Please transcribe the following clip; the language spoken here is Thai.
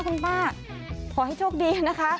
ขอให้โชคดีนะคะ